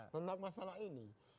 tentang masalah ini